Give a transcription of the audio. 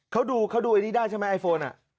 เขาดูไอโฟนได้ใช่ไหม